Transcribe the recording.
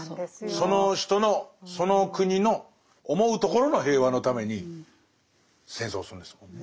その人のその国の思うところの平和のために戦争するんですもんね。